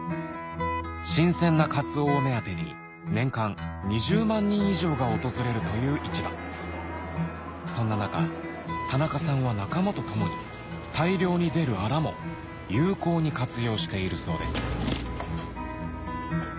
新鮮なカツオを目当てに年間２０万人以上が訪れるという市場そんな中田中さんは仲間と共に大量に出るアラも有効に活用しているそうです